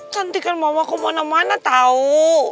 cantikan mama kemana mana tahu